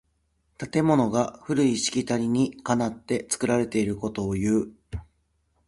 建物が古いしきたりにかなって作られていることをいう。